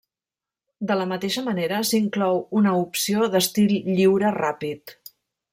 De la mateixa manera, s'inclou una opció d’estil lliure ràpid.